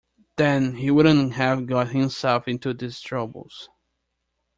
Then he wouldn't have got himself into these troubles.